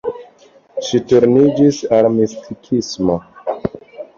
Ŝi turniĝis al mistikismo.